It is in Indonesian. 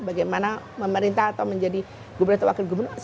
bagaimana pemerintah atau menjadi gubernator wakil gubernur